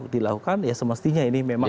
dilakukan ya semestinya ini memang